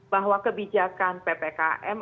bahwa kebijakan ppkm